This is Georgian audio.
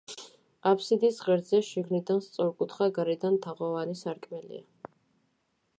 აფსიდის ღერძზე შიგნიდან სწორკუთხა, გარედან თაღოვანი სარკმელია.